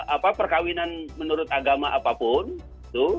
apa perkawinan menurut agama apapun itu